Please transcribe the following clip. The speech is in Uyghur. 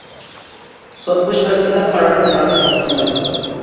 سوت قىلىش مەزگىلىدە قارارنىڭ ئىجراسى توختىتىلمايدۇ.